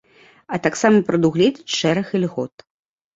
А таксама прадугледзіць шэраг ільгот.